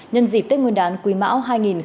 nhân dịp tết nguyên đán quỳ mão hai nghìn hai mươi ba